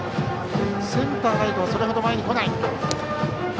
センター、ライトはそれほど前に来ない。